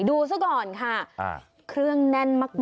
ดูซะก่อนค่ะเครื่องแน่นมาก